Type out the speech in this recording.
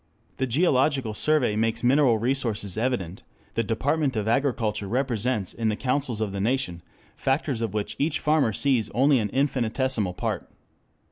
The Geological Survey makes mineral resources evident, the Department of Agriculture represents in the councils of the nation factors of which each farmer sees only an infinitesimal part.